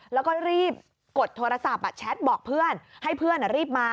แล้วก็รีบกดโทรศัพท์แชทบอกเพื่อนให้เพื่อนรีบมา